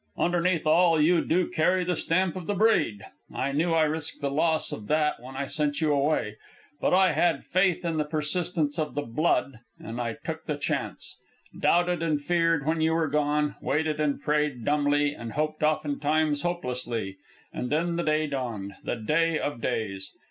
Underneath all you do carry the stamp of the breed. I knew I risked the loss of that when I sent you away, but I had faith in the persistence of the blood and I took the chance; doubted and feared when you were gone; waited and prayed dumbly, and hoped oftentimes hopelessly; and then the day dawned, the day of days!